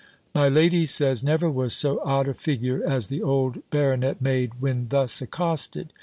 My lady says, never was so odd a figure as the old baronet made, when thus accosted.